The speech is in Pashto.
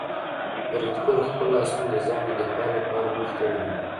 فریدګل خپل لاسونه د ځان د دفاع لپاره مخ ته ونیول